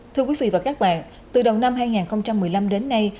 thưa quý vị và các bạn từ đầu năm hai nghìn một mươi năm đến nay